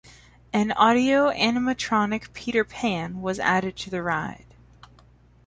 An Audio-Animatronic Peter Pan was added to the ride.